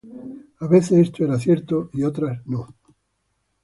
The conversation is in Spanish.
A veces esto era cierto, y otras no.